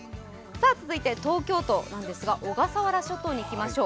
続いて東京都なんですが、小笠原諸島に行きましょう。